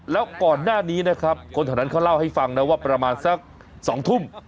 แล้วก่อนหน้านี้นะครับคนเท่านั้นเขาเล่าให้ฟังนะว่าประมาณสัก๒ทุ่ม